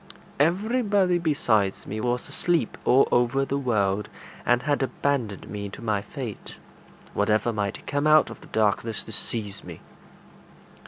Everybody besides me was asleep all over the world, and had abandoned me to my fate, whatever might come out of the darkness to seize me.